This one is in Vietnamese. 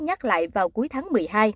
nhắc lại vào cuối tháng một mươi hai